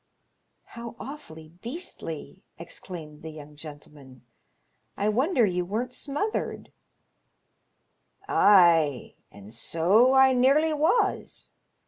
How awfully beastly !" exclaimed the young gentle man. " I wonder you weren't smothered." "Ay, an' so I nearly was.